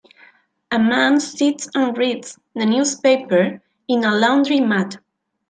A man sits and reads the newspaper in a laundry mat.